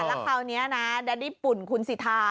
แล้วคราวนี้นะแดดดี้ปุ่นคุณสิทธา